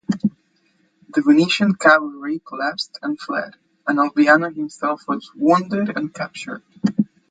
The Venetian cavalry collapsed and fled, and Alviano himself was wounded and captured.